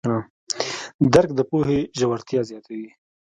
درک د پوهې ژورتیا زیاتوي.